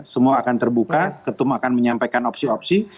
semua akan terbuka ketum akan menyampaikan opsi opsi